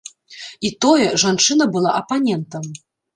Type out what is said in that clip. І тое, жанчына была апанентам.